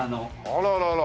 あららら。